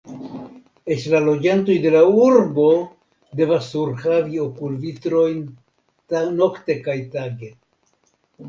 Eĉ la loĝantoj de la Urbo devas surhavi okulvitrojn nokte kaj tage.